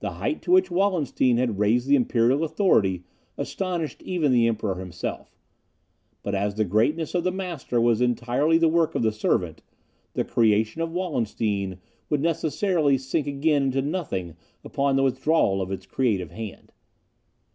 The height to which Wallenstein had raised the imperial authority astonished even the Emperor himself; but as the greatness of the master was entirely the work of the servant, the creation of Wallenstein would necessarily sink again into nothing upon the withdrawal of its creative hand.